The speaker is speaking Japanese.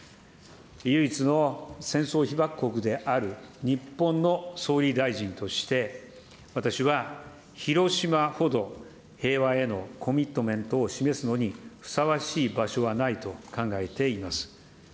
唯一の戦争被爆国である日本の総理大臣として、私は広島ほど平和へのコミットメントを示すのにふさわしい場所はないと考えています。